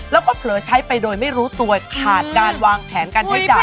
แล้วก็เผลอใช้ไปโดยไม่รู้ตัวขาดการวางแผนการใช้จ่าย